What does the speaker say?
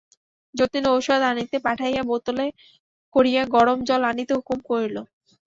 যতীন ঔষধ আনিতে পাঠাইয়া বোতলে করিয়া গরম জল আনিতে হুকুম করিল।